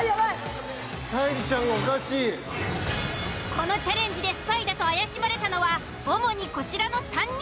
このチャレンジでスパイだと怪しまれたのは主にこちらの３人。